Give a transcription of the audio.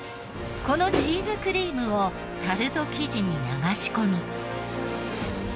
このチーズクリームをタルト生地に流し込み。